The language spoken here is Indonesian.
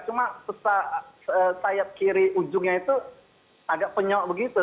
cuma sayap kiri ujungnya itu agak penyok begitu